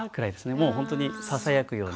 もうほんとにささやくように。